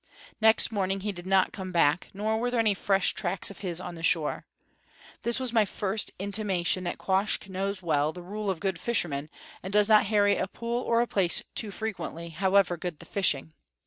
Next morning he did not come back; nor were there any fresh tracks of his on the shore. This was my first intimation that Quoskh knows well the rule of good fishermen, and does not harry a pool or a place too frequently, however good the fishing.